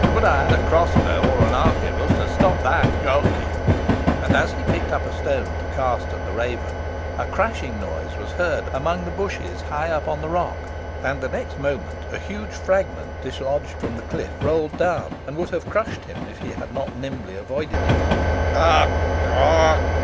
"Would I had a crossbow or an arquebuss to stop thy croaking." And as he picked up a stone to cast at the raven, a crashing noise was heard among the bushes high up on the rock, and the next moment a huge fragment dislodged from the cliff rolled down and would have crushed him, if he had not nimbly avoided it. Croak!